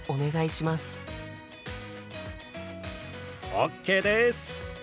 ＯＫです！